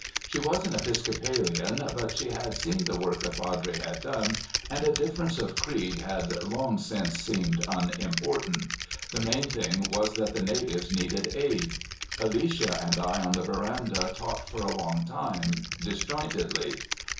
She was an Episcopalian, but she had seen the work the padre had done, and a difference of creed had long since seemed unimportant. The main thing was that the natives needed aid. Alicia and I on the veranda talked for a long time, disjointedly.